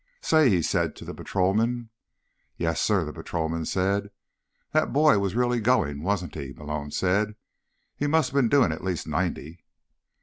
"Say!" he said to the patrolman. "Yes, sir?" the patrolman said. "That boy was really going, wasn't he?" Malone said. "He must have been doing at least ninety."